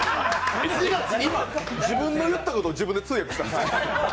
今、自分の言ったことを自分で通訳した？